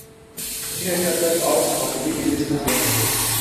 امید ہے کہ اب تک آپ بخوبی یہ سمجھ گئے ہوں گے